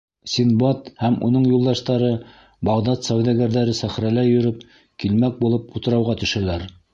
Синдбад һәм уның юлдаштары, Бағдад сауҙагәрҙәре сәхрәлә йөрөп килмәк булып, утрауға төшәләр.